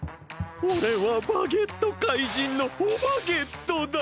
おれはバゲットかいじんのオバゲットだ！